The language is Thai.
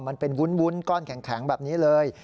มันเป็นวุ้นก้อนแข็งแบบนี้เลย